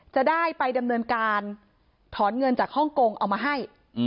จะได้ไปดำเนินการถอนเงินจากฮ่องกงเอามาให้